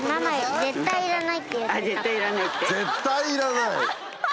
「絶対いらない」。